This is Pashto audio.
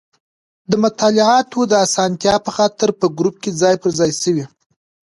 د مطالعاتو د اسانتیا په خاطر په ګروپ کې ځای په ځای شوي.